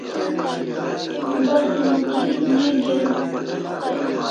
Basun o kirik ne del